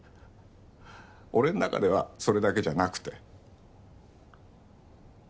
俺の中ではそれだけじゃなくて。